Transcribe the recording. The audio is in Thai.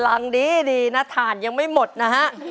ยังดีดีนะฐานยังไม่หมดนะฮะ